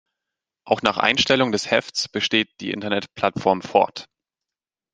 Auch nach Einstellung des Hefts besteht die Internetplattform fort.